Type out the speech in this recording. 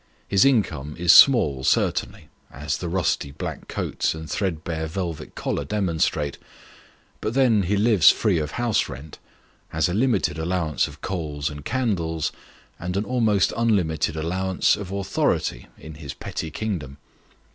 His income is small certainly, as the rusty black coat and threadbare velvet collar demon strate : but then he lives free of house rent, has a limited allowance of coals and candles, and an almost unlimited allowance of authority in his petty kingdom.